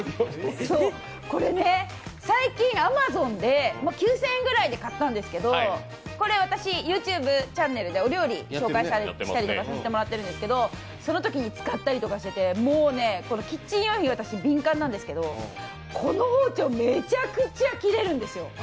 これね、最近アマゾンで、９０００円ぐらいで買ったんですけどＹｏｕＴｕｂｅチャンネルでお料理紹介させてもらったりとかしてるんですけどそのときに使ったりとかしててキッチン用品には敏感なんですけどこの包丁、めちゃくちゃ切れるんですよ。